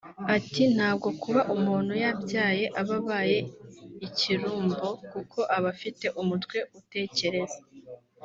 Ati “Ntabwo kuba umuntu yabyaye aba abaye ikirumbo kuko aba afite umutwe utekereza